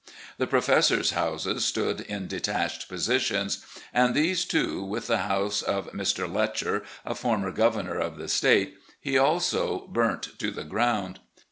The professors' houses stood in detached positions, and these, too, with the house of Mr. Letcher, a former governor of the State, he also burnt to the ground.